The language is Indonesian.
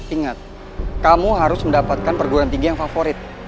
ingat kamu harus mendapatkan perguruan tinggi yang favorit